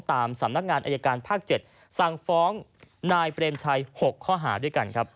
สำนักงานอายการภาค๗สั่งฟ้องนายเปรมชัย๖ข้อหาด้วยกันครับ